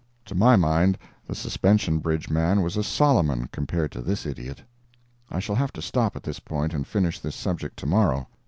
To my mind the suspension bridge man was a Solomon compared to this idiot. [I shall have to stop at this point and finish this subject to morrow.